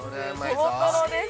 ◆とろとろです。